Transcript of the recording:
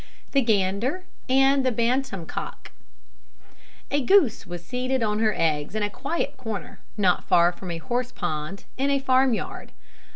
THE GANDER AND THE BANTAM COCK. A goose was seated on her eggs in a quiet corner, not far from a horse pond, in a farmyard.